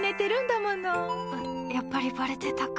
やっぱりばれてたか。